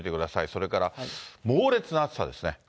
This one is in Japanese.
それから猛烈な暑さですね。